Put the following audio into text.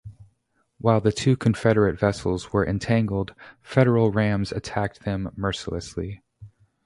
While the two Confederate vessels were entangled, Federal rams attacked them mercilessly.